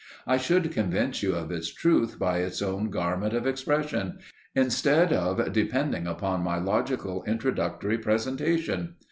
I should convince you of its truth by its own garment of expression, instead of depending upon my logical introductory presentation.